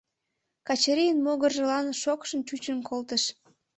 Качырийын могыржылан шокшын чучын колтыш.